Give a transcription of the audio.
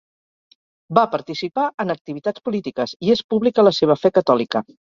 Va participar en activitats polítiques, i és pública la seva fe catòlica.